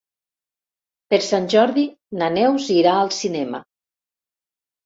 Per Sant Jordi na Neus irà al cinema.